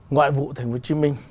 ngoại vụ tp hcm